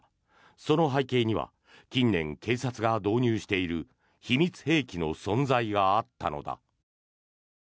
その背景には近年、警察が導入している秘密兵器の存在があったのだ。